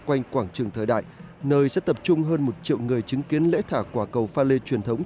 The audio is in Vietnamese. quanh quảng trường thời đại nơi sẽ tập trung hơn một triệu người chứng kiến lễ thả quả cầu pha lê truyền thống